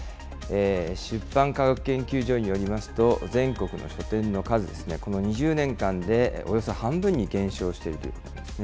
出版科学研究所によりますと、全国の書店の数ですね、この２０年間でおよそ半分に減少しているということですね。